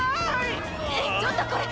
えっちょっとこれ。